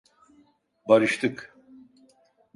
Barıştık.